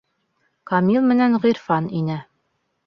Камил менән Ғирфан инә.